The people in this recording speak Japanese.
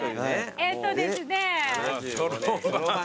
えっとですね。